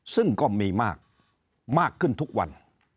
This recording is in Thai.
ซึ่งก็มีมากขึ้นทุกวัน